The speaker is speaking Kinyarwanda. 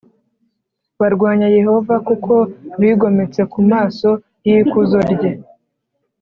barwanya Yehova kuko bigometse mu maso y’ikuzo rye